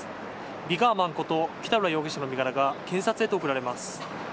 ＶＩＧＯＲＭＡＮこと北浦容疑者の身柄が検察へと送られます。